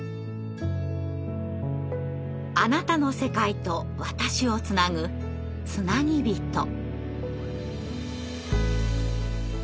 あなたの世界と私をつなぐつなぎびと。